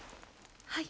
はい。